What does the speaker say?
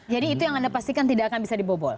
jadi itu yang anda pastikan tidak akan bisa dibobol